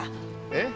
えっ？